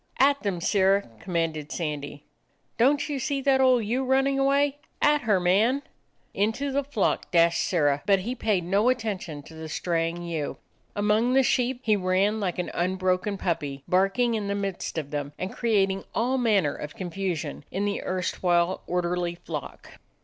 "At them! Sirrah!" commanded Sandy. 9 "Don't you see that old ewe running away? At her, man!" Into the flock dashed Sirrah, but he paid no 96 A DOG OF THE ETTRICK HILLS attention to the straying ewe. Among the sheep he ran like an unbroken puppy, bark ing in the midst of them, and creating all manner of confusion in the erstwhile orderly flock.